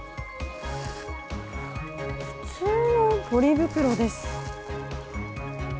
普通のポリ袋です。